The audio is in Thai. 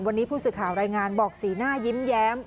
วันนี้ผู้สื่อข่าวรายงานบอกสีหน้ายิ้มแย้ม